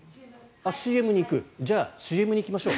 あっ、ＣＭに行く？じゃあＣＭに行きましょう。